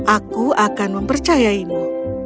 aku akan mempercayaimu